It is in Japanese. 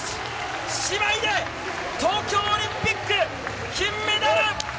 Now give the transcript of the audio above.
姉妹で東京オリンピック金メダル！